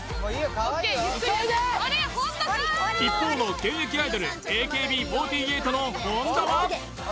一方の現役アイドルＡＫＢ４８の本田は？